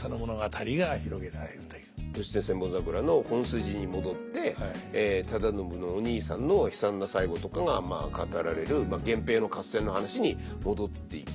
「義経千本桜」の本筋に戻って忠信のお兄さんの悲惨な最期とかがまあ語られる源平の合戦の話に戻っていく。